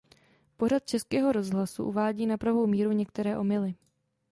Pořad Českého rozhlasu uvádí na pravou míru některé omyly.